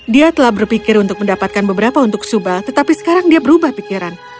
dia telah berpikir untuk mendapatkan beberapa untuk subal tetapi sekarang dia berubah pikiran